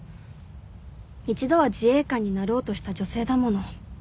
一度は自衛官になろうとした女性だもの。